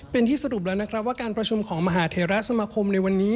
เป็นที่สรุปแล้วนะครับว่าการประชุมของมหาเทราสมาคมในวันนี้